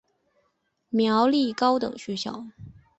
苗栗高等学校